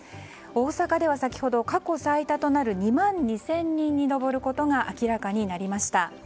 大阪では先ほど過去最多となる２万２０００人に上ることが明らかになりました。